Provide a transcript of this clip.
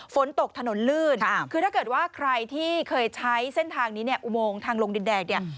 ฝนตกถนนลื่นคือถ้าเกิดว่าใครที่เคยใช้เส้นทางนี้เนี่ยอุโมงทางลงดินแดงเนี่ย